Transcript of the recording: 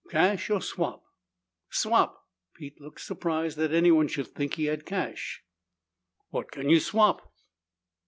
"Cash or swap?" "Swap." Pete looked surprised that anyone should think he had cash. "What can you swap?"